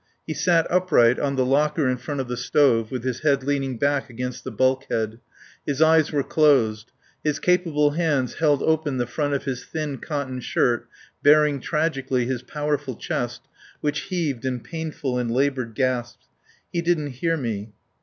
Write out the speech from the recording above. He sat upright on the locker in front of the stove, with his head leaning back against the bulkhead. His eyes were closed; his capable hands held open the front of his thin cotton shirt baring tragically his powerful chest, which heaved in painful and laboured gasps. He didn't hear me.